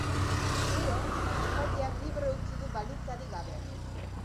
Gero, epaileak libre utzi du baldintzarik gabe.